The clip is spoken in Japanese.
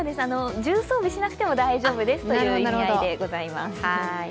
重装備しなくても大丈夫という意味合いでございます。